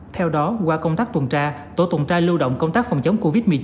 theo đó qua công tác tuần tra tổ tuần tra lưu động công tác phòng chống covid một mươi chín